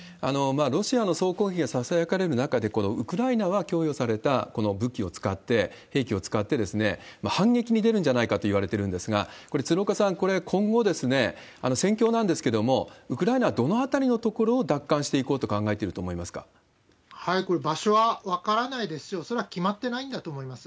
ロシアの総攻撃がささやかれる中で、このウクライナが供与された武器を使って、兵器を使って、反撃に出るんじゃないかといわれてますが、これ、鶴岡さん、これ、今後、戦況なんですけれども、ウクライナはどのあたりの所を奪還していこうと考えていると思いこれ、場所は分からないですし、恐らく決まってないんだと思います。